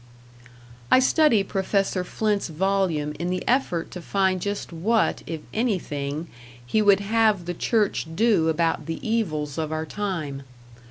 I study Professor Flint's volume in the effort to find just what, if anything, he would have the church do about the evils of our time.